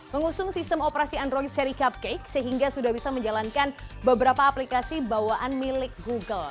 mengusung sistem operasi android seri cupcake sehingga sudah bisa menjalankan beberapa aplikasi bawaan milik google